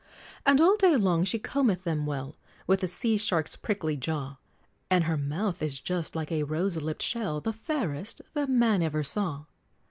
And all day long she combeth them well, With a sea shark's prickly jaw; And her mouth is just like a rose lipped shell, The fairest that man e'er saw!